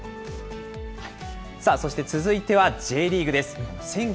そして続いては、Ｊリーグです。